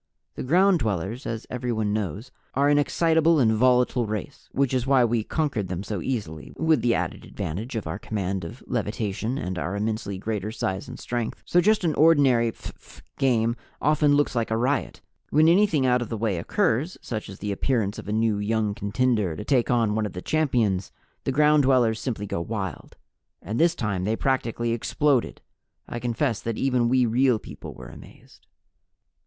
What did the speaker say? The Ground Dwellers, as everyone knows, are an excitable and volatile race (which is why we conquered them so easily, with the added advantage of our command of levitation and our immensely greater size and strength), so just an ordinary phph game often looks like a riot. When anything out of the way occurs, such as the appearance of a new young contender to take on one of the champions, the Ground Dwellers simply go wild. And this time they practically exploded. I confess that even we Real People were amazed.